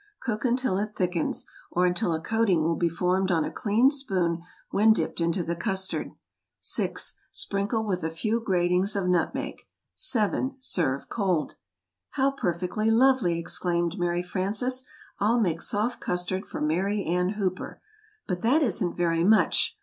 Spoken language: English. Cook until it thickens, or until a coating will be formed on a clean spoon when dipped into the custard. 6. Sprinkle with a few gratings of nutmeg. 7. Serve cold. [Illustration: Soft Custard] "How perfectly lovely!" exclaimed Mary Frances; "I'll make soft custard for Mary Ann Hooper. But that isn't very much.